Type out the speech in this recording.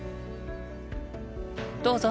どうぞ。